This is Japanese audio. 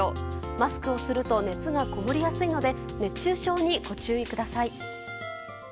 マスクをすると熱がこもりやすいので熱中症にご注意ください。